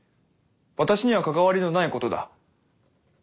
私には関わりのないことだ。